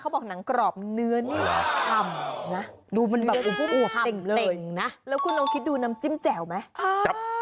บอกหนังกรอบเนื้อนี่ฉ่ำนะดูมันแบบอวบเต่งนะแล้วคุณลองคิดดูน้ำจิ้มแจ่วไหม